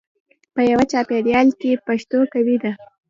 په یوه چاپېریال کې پښتو قوي ده.